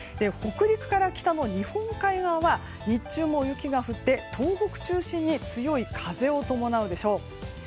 北陸から北の日本海側は日中も雪が降って東北中心に強い風を伴うでしょう。